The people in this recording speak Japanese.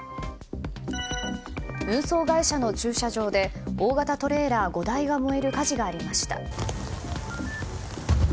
運送会社の駐車場で大型トレーラー５台が燃える火事がありました。